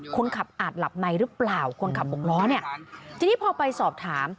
คนขับอาจหลับไม้รึเปล่าคนขับหกล้อนี่ทีนี้พอไปสอบถาม